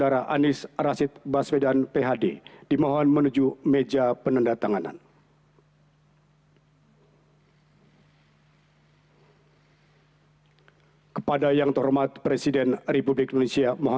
rohaniwan dimohon kembali ke tempat semula